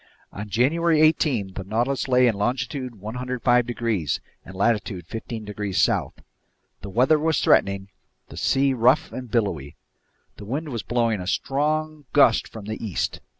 On January 18 the Nautilus lay in longitude 105 degrees and latitude 15 degrees south. The weather was threatening, the sea rough and billowy. The wind was blowing a strong gust from the east.